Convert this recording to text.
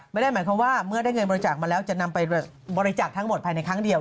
ไม่ได้หมายความว่าเมื่อได้เงินบริจาคมาแล้วจะนำไปบริจาคทั้งหมดภายในครั้งเดียว